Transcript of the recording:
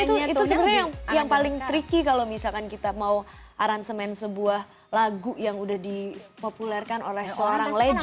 karena itu sebenarnya yang paling tricky kalau misalkan kita mau aransemen sebuah lagu yang udah dipopulerkan oleh seorang legend gitu